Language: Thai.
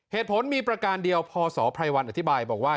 เหตุผลมีประการเดียวพศไพรวันอธิบายบอกว่า